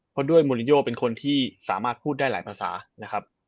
เพราะด้วยมูลินโยเป็นคนที่สามารถพูดได้หลายภาษานะครับ